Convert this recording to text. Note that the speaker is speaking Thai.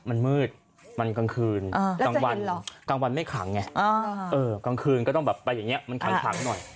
มันมืดมันกลางคืนกลางวันกลางวันไม่ขังไงกลางคืนก็ต้องแบบไปอย่างนี้มันขังหน่อย